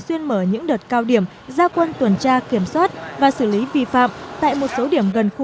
xuyên mở những đợt cao điểm gia quân tuần tra kiểm soát và xử lý vi phạm tại một số điểm gần